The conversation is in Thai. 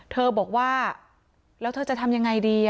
เธอบอกว่าแล้วเธอจะทำยังไงดี